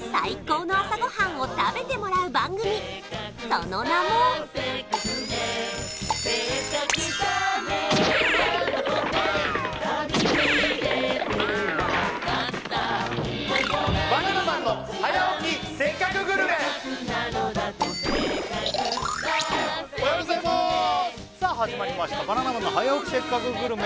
その名もおはようございますさあ始まりました「バナナマンの早起きせっかくグルメ！！」